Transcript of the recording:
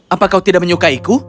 apa kau tidak menyukaiku